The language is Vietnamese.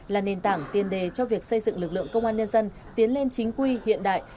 là nền tảng tiền đề cho việc xây dựng lực lượng công an nhân dân tiến lên chính quy hiện đại